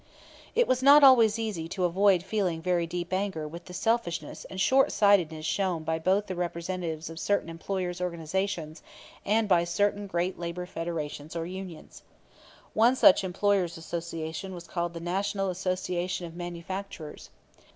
It was not always easy to avoid feeling very deep anger with the selfishness and short sightedness shown both by the representatives of certain employers' organizations and by certain great labor federations or unions. One such employers' association was called the National Association of Manufacturers.